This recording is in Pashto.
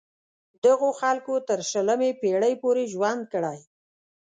دغو خلکو تر شلمې پیړۍ پورې ژوند کړی.